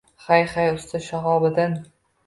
Hay, hay, usta Shahobiddin